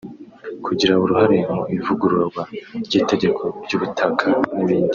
kugira uruhare mu ivugururwa ry’itegeko ry’ubutaka n’ibindi